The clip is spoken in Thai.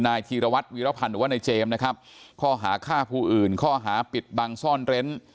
ธีรวัตรวีรพันธ์หรือว่านายเจมส์นะครับข้อหาฆ่าผู้อื่นข้อหาปิดบังซ่อนเร้น